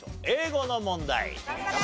英語の問題。